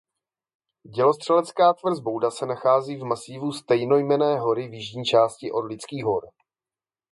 Dělostřelecká tvrz Bouda se nachází v masívu stejnojmenné hory v jižní části Orlických hor.